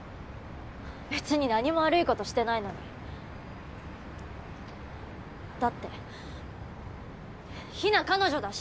別に何も悪いことしてないのにだってヒナ彼女だし！